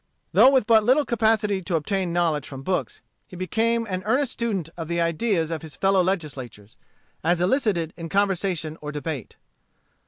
Though with but little capacity to obtain knowledge from books, he became an earnest student of the ideas of his fellow legislators as elicited in conversation or debate.